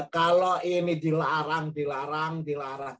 kalau ini dilarang dilarang dilarang